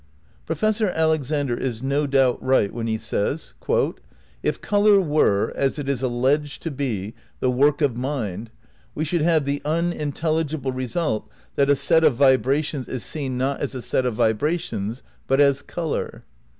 ^ Professor Alexander is no doubt right when he says "If colour were, as it is alleged to be, the work of mind, we should have the unintelligible result that a set of vibrations is seen not as a set of vibrations but as colour."